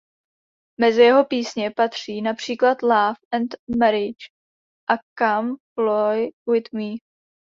Mezi jeho písně patří například „Love and Marriage“ a „Come Fly with Me“.